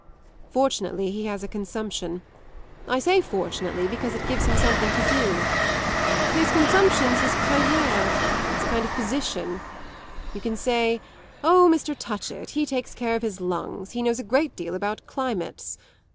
Fortunately he has a consumption; I say fortunately, because it gives him something to do. His consumption's his carriere it's a kind of position. You can say: 'Oh, Mr. Touchett, he takes care of his lungs, he knows a great deal about climates.